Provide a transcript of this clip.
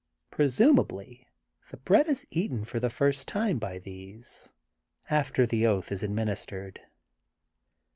Presumably the bread is eaten for the first time by these, after the oath is administered.